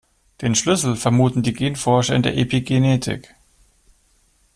Den Schlüssel vermuten die Genforscher in der Epigenetik.